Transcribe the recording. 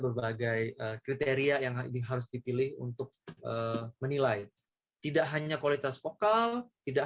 berbagai kriteria yang harus dipilih untuk menilai tidak hanya kualitas vokal tidak